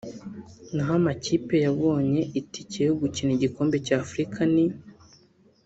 naho amakipe yabonye itike yo gukina igikombe cy’Afurika ni